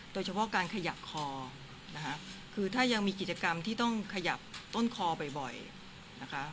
โดยเฉพาะการขยับคอนะคะคือถ้ายังมีกิจกรรมที่ต้องขยับต้นคอบ่อยนะคะ